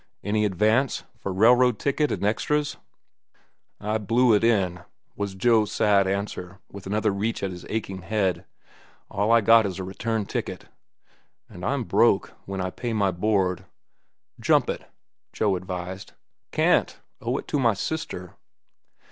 "Any advance?—for rail road ticket and extras?" "I blew it in," was Joe's sad answer, with another reach at his aching head. "All I got is a return ticket." "And I'm broke—when I pay my board." "Jump it," Joe advised. "Can't. Owe it to my sister."